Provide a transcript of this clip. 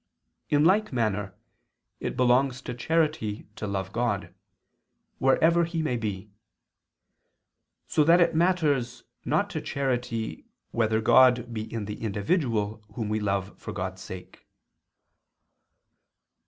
In like manner it belongs to charity to love God, wherever He may be; so that it matters not to charity, whether God be in the individual whom we love for God's sake.